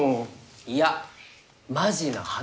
いやマジな話。